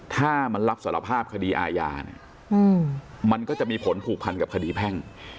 ถ้ามันรับสารภาพคดีอาญาเนี่ยมันก็จะมีผลผูกพันกับคดีแพ่ง